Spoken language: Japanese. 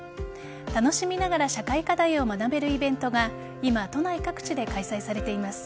楽しみながら社会課題を学べるイベントが今、都内各地で開催されています。